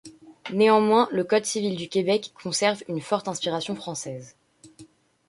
Néanmoins, le Code civil du Québec conserve une forte inspiration française.